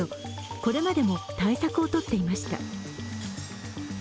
これまでも対策を取っていました。